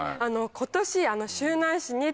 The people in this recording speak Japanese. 今年。